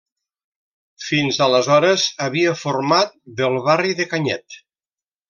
Fins aleshores havia format del barri de Canyet.